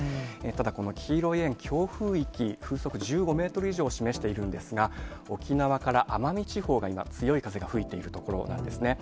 ただ、この黄色い円、強風域、風速１５メートル以上を示しているんですが、沖縄から奄美地方が今、強い風が吹いているところなんですね。